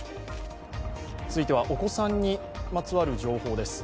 続いてはお子さんにまつわる情報です。